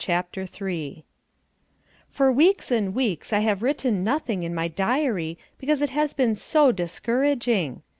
CHAPTER III For weeks and weeks I have written nothing in my diary because it has been so discouraging.